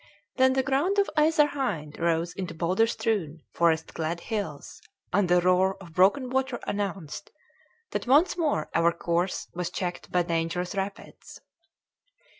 Then the ground on either hand rose into boulder strewn, forest clad hills and the roar of broken water announced that once more our course was checked by dangerous rapids.